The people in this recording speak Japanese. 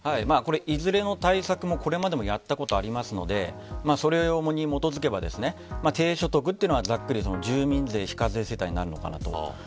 いずれの対策もこれまでもやったことがあるのでそれに基づけば低所得はざっくり住民税非課税世帯になるのかなと。